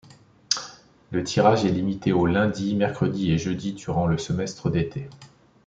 Le tirage est limité aux lundi, mercredi et jeudi durant le semestre d'été.